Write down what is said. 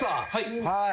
はい。